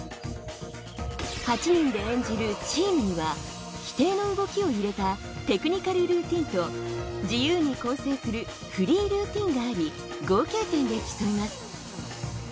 ８人で演じるチームは規定の動きを入れたテクニカルルーティンと自由に構成するフリールーティンがあり合計点で競います。